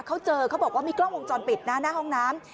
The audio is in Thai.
เขาเจอเขาบอกว่ามีกล้องวงจรปิดนะหน้าห้องน้ำ